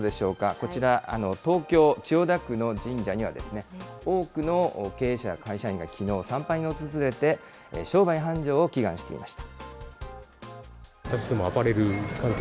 こちら、東京・千代田区の神社には、多くの経営者や会社員がきのう参拝に訪れて、商売繁盛を祈願していました。